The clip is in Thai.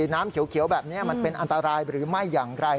น้ำเขียวแบบนี้มันเป็นอันตรายหรือไม่อย่างไร